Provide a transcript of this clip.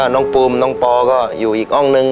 น้องปูมน้องปอก็อยู่อีกห้องนึง